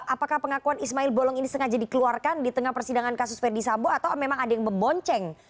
apakah pengakuan ismail bolong ini sengaja dikeluarkan di tengah persidangan kasus verdi sambo atau memang ada yang membonceng